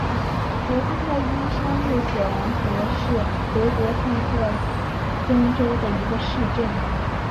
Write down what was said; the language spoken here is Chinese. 罗茨泰因山麓索兰德是德国萨克森州的一个市镇。